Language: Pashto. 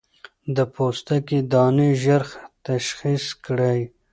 د پوستکي دانې ژر تشخيص کړئ.